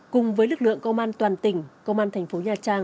cùng với lực lượng công an toàn tỉnh công an thành phố nha trang